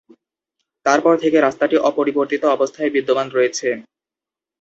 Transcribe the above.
তারপর থেকে রাস্তাটি অপরিবর্তিত অবস্থায় বিদ্যমান রয়েছে।